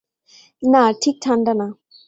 না, ঠিক ঠান্ডা না।